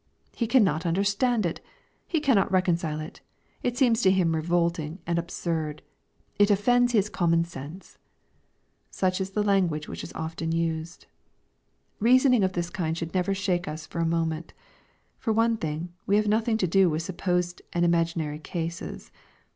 —" He cannot understand it I He cannot reconcile it ! It seems to him revolting and ab surd 1 It offends his common sense V — Such is the language which is often used, Eeasoning of this kind should never shake us for a moment. For one thing, we have nothing to do with supposed and imaginary cases.